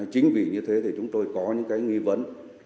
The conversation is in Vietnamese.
chính vì như thế thì chúng tôi có những cái nghi vấn